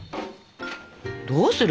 どうする？